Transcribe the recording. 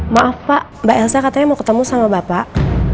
maaf pak mbak elsa katanya mau ketemu sama bapak